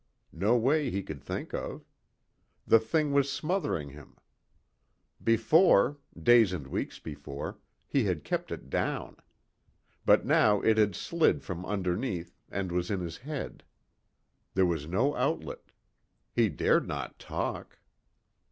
No way he could think of. The thing was smothering him. Before days and weeks before he had kept it down. But now it had slid from underneath and was in his head. There was no outlet. He dared not talk.